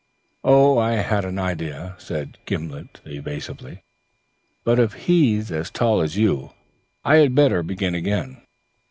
"Oh, I had an idea," said Gimblet evasively. "But if he's as tall as you, I had better begin again.